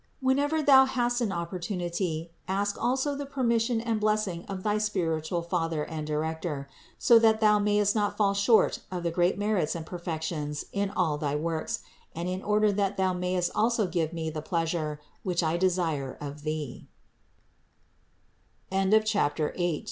Whenever thou hast an opportunity, ask also the permission and blessing of thy spiritual father and director, so that thou mayest not fall short of the greatest merits and perfections in thy works, and in order that thou mayest also give me the